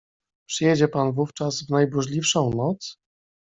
"Przyjedzie pan wówczas w najburzliwszą noc?"